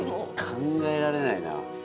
考えられないな。